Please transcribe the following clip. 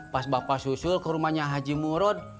pas bapak susul ke rumahnya haji murud